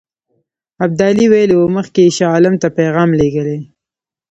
ابدالي ویلي وو مخکې یې شاه عالم ته پیغام لېږلی.